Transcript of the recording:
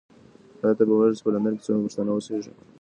ایا ته پوهېږې چې په لندن کې څومره پښتانه اوسیږي؟